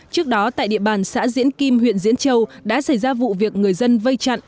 trước đó tại địa bàn xã diễn kim huyện diễn châu đã xảy ra vụ việc người dân vây chặn